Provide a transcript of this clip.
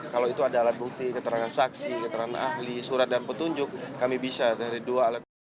kalau itu ada alat bukti keterangan saksi keterangan ahli surat dan petunjuk kami bisa dari dua alat bukti